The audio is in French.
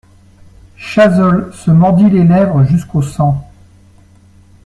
Chazolles se mordit les lèvres jusqu'au sang.